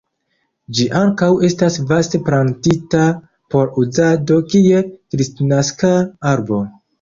Ĝi ankaŭ estas vaste plantita por uzado kiel kristnaska arbo.